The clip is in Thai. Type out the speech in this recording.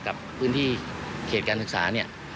กับพื้นที่เขตการศึกษาเนี่ย